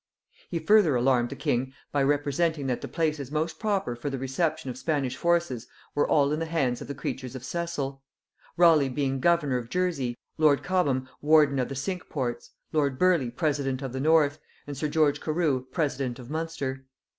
He further alarmed the king by representing that the places most proper for the reception of Spanish forces were all in the hands of the creatures of Cecil; Raleigh being governor of Jersey, lord Cobham warden of the Cinque Ports, lord Burleigh president of the North, and sir George Carew president of Munster.